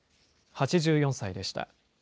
８４歳でした。